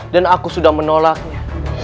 dan aku sudah menolaknya